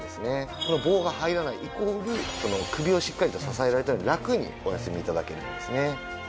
この棒が入らないイコール首をしっかりと支えられてるのでラクにお休み頂けるんですね。